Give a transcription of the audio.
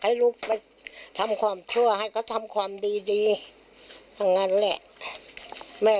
ให้ลูกไปทำความชั่วให้เขาทำความดีดีทั้งนั้นแหละแม่